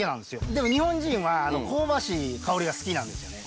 でも日本人は香ばしい香りが好きなんですよね。